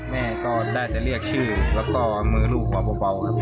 แม่ก็น่าจะเรียกชื่อแล้วก็มือลูกมาเบาครับ